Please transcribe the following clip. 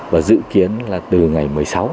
và dự kiến là từ ngày một mươi sáu